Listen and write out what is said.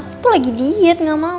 aku tuh lagi diet gak mau